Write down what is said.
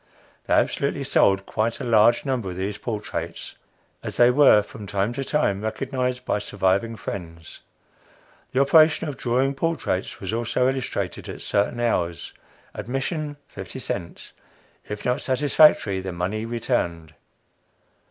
They absolutely sold quite a large number of these portraits, as they were from time to time recognized by surviving friends! The operation of drawing portraits was also illustrated at certain hours, admission, fifty cents; if not satisfactory, the money returned.